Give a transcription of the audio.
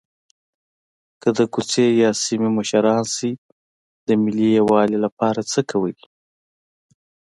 که د کوڅې یا سیمې مشران شئ د ملي یووالي لپاره څه کوئ.